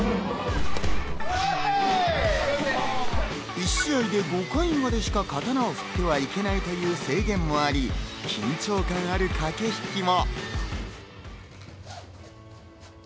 １試合で５回までしか刀を振ってはいけないという制限もあり、緊張感ある駆け引きも。